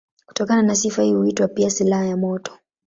Kutokana na sifa hii huitwa pia silaha ya moto.